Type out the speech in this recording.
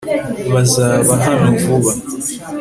bazaba hano vuba